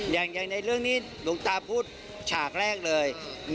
อย่างในเรื่องนี้หลวงตาพูดฉากแรกเลย